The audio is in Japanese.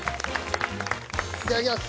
いただきます！